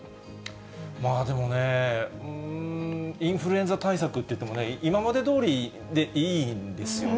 でもね、インフルエンザ対策っていっても、今までどおりでいいんですよね？